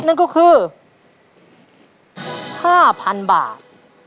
นั่นก็คือ๕๐๐๐บาท